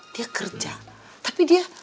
dia kerja tapi dia